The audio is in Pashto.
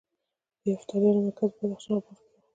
د یفتلیانو مرکز په بدخشان او بلخ کې و